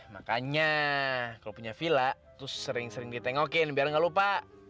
makanya kalo punya villa tuh sering sering ditengokin biar gak lupa